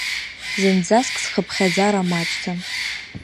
Зынӡаск зхыԥхьаӡара маҷӡам.